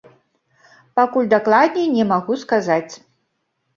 Пакуль дакладней не магу сказаць.